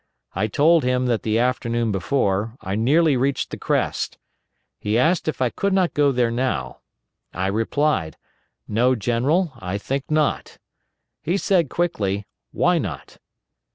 I told him that the afternoon before, I nearly reached the crest. He asked if I could not go there now. I replied, 'No, General, I think not.' He said quickly, 'Why not?'